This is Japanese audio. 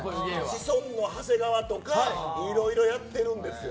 シソンヌの長谷川とかいろいろやってるんですよ。